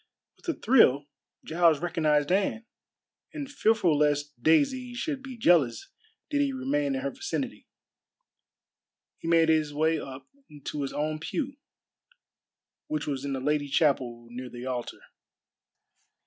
With a thrill Giles recognized Anne, and fearful lest Daisy should be jealous did he remain in her vicinity, he made his way up to his own pew, which was in the lady chapel near the altar.